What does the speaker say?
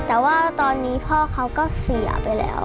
แต่ว่าตอนนี้พ่อเขาก็เสียไปแล้ว